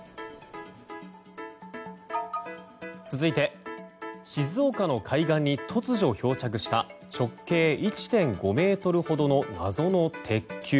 続いて静岡の海岸に突如漂着した直径１．５ｍほどの謎の鉄球。